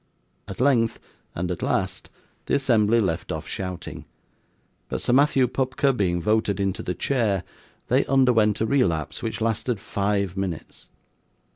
At length, and at last, the assembly left off shouting, but Sir Matthew Pupker being voted into the chair, they underwent a relapse which lasted five minutes.